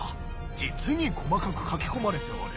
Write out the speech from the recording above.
実に細かく書き込まれておる。